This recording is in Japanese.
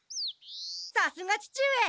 さすが父上！